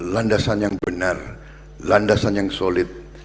landasan yang benar landasan yang solid